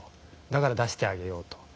だから出してあげようと。